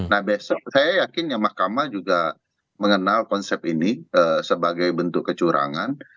nah besok saya yakin ya mahkamah juga mengenal konsep ini sebagai bentuk kecurangan